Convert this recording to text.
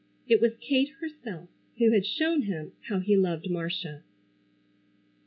It was Kate herself who had shown him how he loved Marcia.